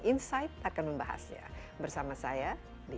insight akan membahasnya bersama saya lisi andri